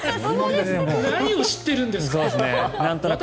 何を知ってるんですか。